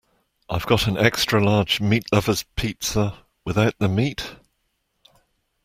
I’ve got an extra large meat lover’s pizza, without the meat?